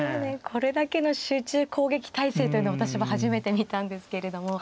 これだけの集中攻撃態勢というのを私は初めて見たんですけれども。